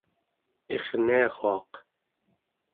irniaruaq